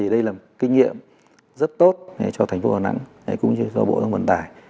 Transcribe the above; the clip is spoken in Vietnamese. đây là kinh nghiệm rất tốt cho thành phố đà nẵng cũng như bộ dân vận tài